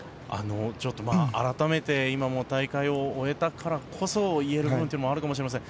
改めて今、大会を終えたからこそ言える部分もあるかもしれません。